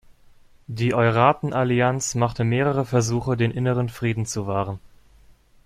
Die Oiraten-Allianz machte mehrere Versuche, den inneren Frieden zu wahren.